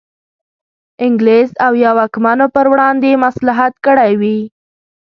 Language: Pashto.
انګلیس او یا واکمنو پر وړاندې مصلحت کړی وي.